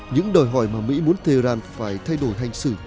những đòi hỏi mà mỹ muốn tehran phải thay đổi hành xử